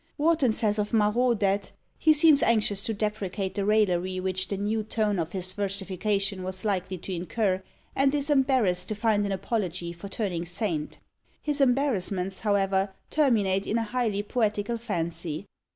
Warton says of Marot, that "He seems anxious to deprecate the raillery which the new tone of his versification was likely to incur, and is embarrassed to find an apology for turning saint." His embarrassments, however, terminate in a highly poetical fancy.